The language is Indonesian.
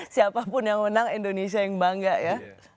siapapun yang menang indonesia yang bangga ya